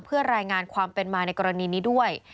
เพื่อรายงานความเป็นมาในกรณีนี้ด้วย